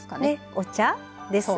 お茶、ですね。